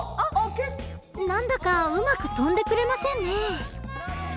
何だかうまく飛んでくれませんね。